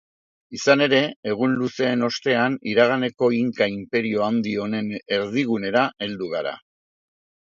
Izan ere, egun luzeen ostean iraganeko Inka inperio handi honen erdigunera heldu gara.